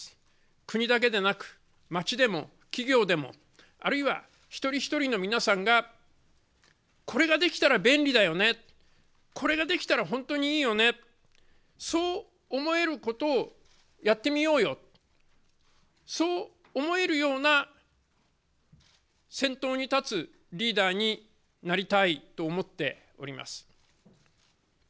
国だけでなく、町でも企業でもあるいは一人一人の皆さんがこれができたら便利だよね、これができたら本当にいいよねとそう思えることをやってみようよ、そう思えるような先頭に立つリーダーになりたいと思っております。